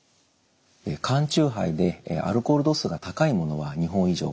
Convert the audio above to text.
缶チューハイでアルコール度数が高いものは２本以上。